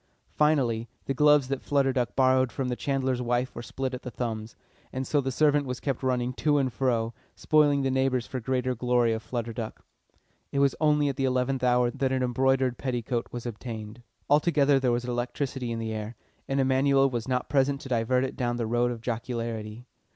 Finally, the gloves that Flutter Duck borrowed from the chandler's wife were split at the thumbs. And so the servant was kept running to and fro, spoiling the neighbours for the greater glory of Flutter Duck. It was only at the eleventh hour that an embroidered petticoat was obtained. Altogether there was electricity in the air, and Emanuel was not present to divert it down the road of jocularity.